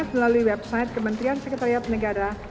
melalui website kementerian sekretariat negara